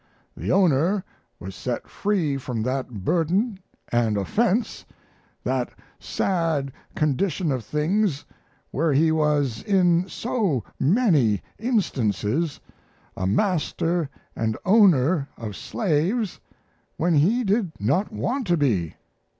The owner was set free from that burden and offense, that sad condition of things where he was in so many instances a master and owner of slaves when he did not want to be.